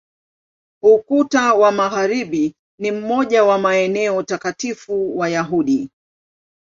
Ukuta wa Magharibi ni moja ya maeneo takatifu Wayahudi.